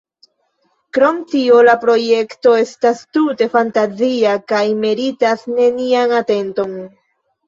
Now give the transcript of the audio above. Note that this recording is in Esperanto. Krom tio la projekto estas tute fantazia kaj meritas nenian atenton.